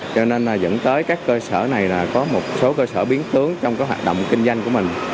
cho nên dẫn tới các cơ sở này là có một số cơ sở biến tướng trong hoạt động kinh doanh của mình